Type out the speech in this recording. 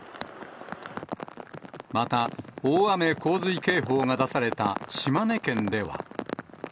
また、大雨洪水警報が出された島根県では。